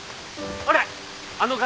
ほらあの崖